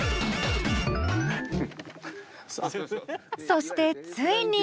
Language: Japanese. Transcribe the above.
そしてついに。